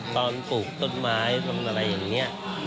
ตอนปลูกต้นไม้อะไรอย่างเงี้ย